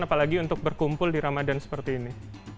apalagi untuk berkumpul di ramadan seperti ini